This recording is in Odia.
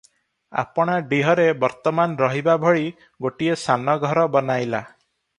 ଆପଣା ଡିହରେ ବର୍ତ୍ତମାନ ରହିବା ଭଳି ଗୋଟିଏ ସାନ ଘର ବନାଇଲା ।